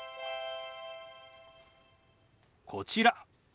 こちら。